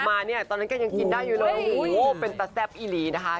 มาเนี่ยตอนนั้นก็ยังกินได้อยู่เลยโอ้โหเป็นตาแซ่บอีหลีนะคะ